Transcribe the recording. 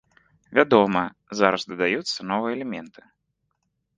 Вядома, зараз дадаюцца новыя элементы.